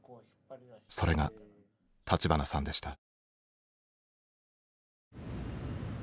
それが立花さんでした。